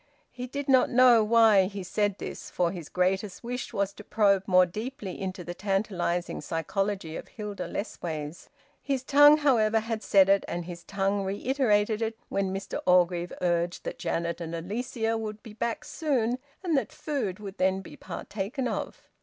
He did not know why he said this, for his greatest wish was to probe more deeply into the tantalising psychology of Hilda Lessways. His tongue, however, had said it, and his tongue reiterated it when Mr Orgreave urged that Janet and Alicia would be back soon and that food would then be partaken of.